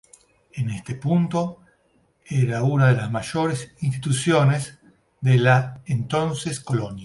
En este punto, era una de las mayores instituciones de la entones colonia.